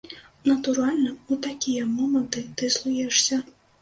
Натуральна, у такія моманты ты злуешся.